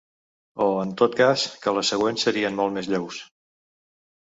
O, en tot cas, que les següents serien molt més lleus.